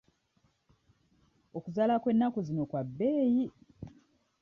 Okuzaala kw'ennaku zino kwa bbeeyi.